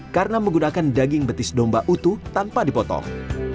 karena menggunakan daging betis domba utuh tanpa dipotong